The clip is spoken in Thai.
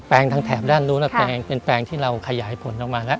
ทางแถบด้านนู้นเป็นแปลงที่เราขยายผลออกมาแล้ว